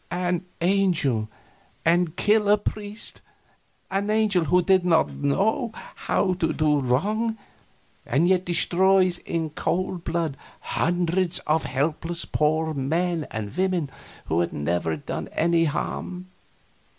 An angel, and kill a priest! An angel who did not know how to do wrong, and yet destroys in cold blood hundreds of helpless poor men and women who had never done him any harm!